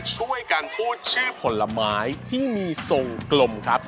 ช่วยกันพูดชื่อผลไม้ที่มีทรงกลมครับ